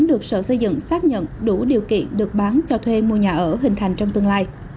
được sở xây dựng xác nhận đủ điều kiện được bán cho thuê mua nhà ở hình thành trong tương lai